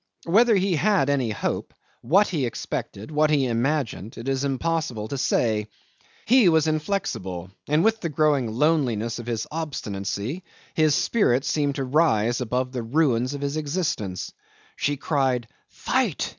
Whether he had any hope what he expected, what he imagined it is impossible to say. He was inflexible, and with the growing loneliness of his obstinacy his spirit seemed to rise above the ruins of his existence. She cried "Fight!"